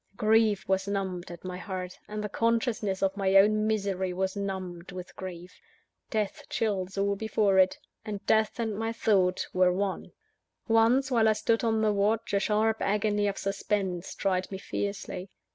_ Grief was numbed at my heart; and the consciousness of my own misery was numbed with grief. Death chills all before it and Death and my Thought were one. Once, while I stood on the watch, a sharp agony of suspense tried me fiercely.